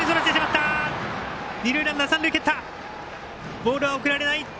ボールは送られない。